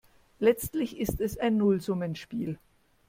Letztlich ist es ein Nullsummenspiel.